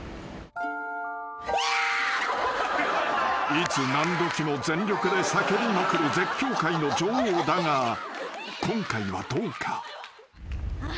［いつ何時も全力で叫びまくる絶叫界の女王だが今回はどうか？］